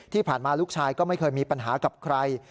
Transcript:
ที่ผ่านมาลูกชายก็ไม่เคยมีปัญหากับใคร